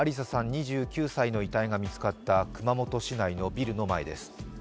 ２９歳の遺体が見つかった熊本市内のビルの前です。